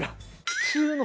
普通の。